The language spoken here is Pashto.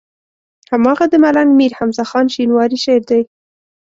هماغه د ملنګ مير حمزه خان شينواري شعر دی.